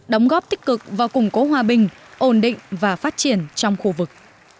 đóng góp tích cực và củng cố hòa bình ổn định và phát triển trong khu vực